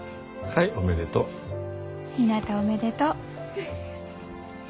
はいおめでとう。